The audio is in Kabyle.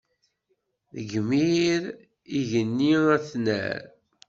D igmir igenni ad t-nerr.